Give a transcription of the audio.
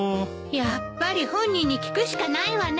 やっぱり本人に聞くしかないわね。